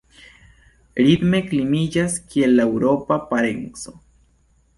Ritme kliniĝas kiel la eŭropa parenco.